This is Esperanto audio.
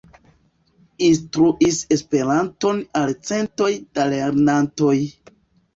Instruis Esperanton al centoj da lernantoj.